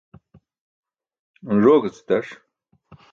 Une rok aci taṣ.